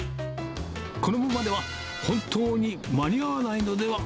このままでは本当に間に合わないのでは？